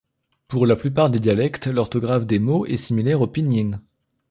Pour la plupart des dialectes, l'orthographe des mots est similaire au Pinyin.